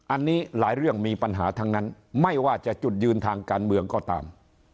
อันนี้หลายเรื่องมีปัญหาทั้งนั้นไม่ว่าจะจุดยืนทางการเมืองก็ตาม